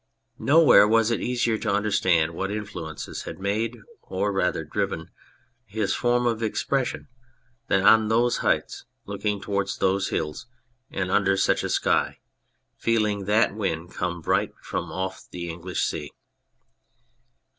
Nowhere was it easier to understand what influences had made, or rather driven, his form of expression than on those heights looking towards those hills, and under such a sky, feeling that wind come right from off the English sea.